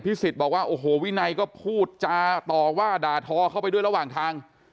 สิทธิ์บอกว่าโอ้โหวินัยก็พูดจาต่อว่าด่าทอเข้าไปด้วยระหว่างทาง